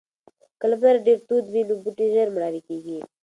که لمر ډیر تود وي نو بوټي ژر مړاوي کیږي.